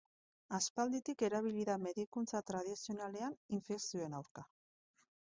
Aspalditik erabili da medikuntza tradizionalean infekzioen aurka.